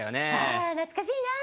あ懐かしいなあ。